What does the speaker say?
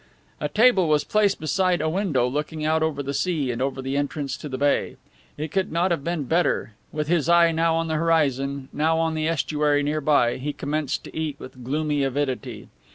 A table was placed beside a window looking out over the sea and over the entrance to the bay. It could not have been better and, with his eye now on the horizon, now on the estuary near by, he commenced to eat with gloomy avidity.